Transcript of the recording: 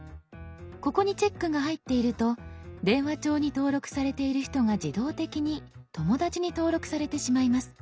ここにチェックが入っていると電話帳に登録されている人が自動的に「友だち」に登録されてしまいます。